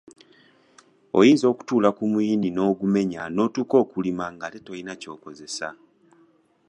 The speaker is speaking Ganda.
Oyinza okutuula ku muyini n’ogumenya n’otuuka okulima ng’ate tolina ky’okozesa.